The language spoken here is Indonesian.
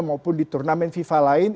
maupun di turnamen fifa lain